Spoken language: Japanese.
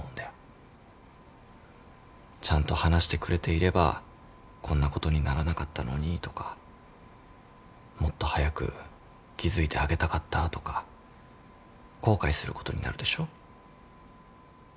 ちゃんと話してくれていればこんなことにならなかったのにとかもっと早く気付いてあげたかったとか後悔することになるでしょ？